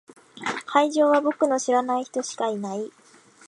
会場は僕の知らない人しかいない。